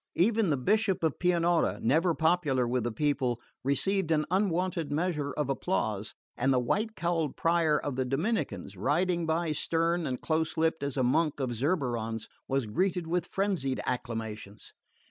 Even the Bishop of Pianura, never popular with the people, received an unwonted measure of applause, and the white cowled Prior of the Dominicans, riding by stern and close lipped as a monk of Zurbaran's, was greeted with frenzied acclamations.